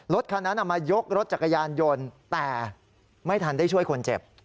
รถคันนั้นมายกรถจักรยานยนต์แต่ไม่ทันได้ช่วยคนเจ็บ